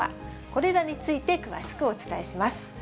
これらについて、詳しくお伝えします。